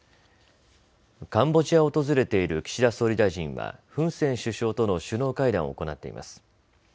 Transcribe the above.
カンボジアを訪れている岸田総理大臣はフン・セン首相との首脳会談を行っています。